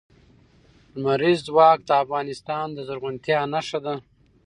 لمریز ځواک د افغانستان د زرغونتیا نښه ده.